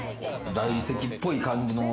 大理石っぽい感じ。